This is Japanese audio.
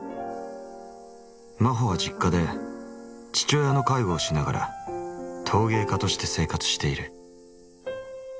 真帆は実家で父親の介護をしながら陶芸家として生活している。